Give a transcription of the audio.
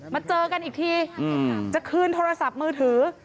มาเจอกันอีกทีจะคืนโทรศัพท์มือถือ